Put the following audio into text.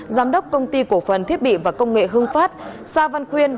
giám đốc công ty cổ phần thiết bị và công nghệ hưng phát sa văn khuyên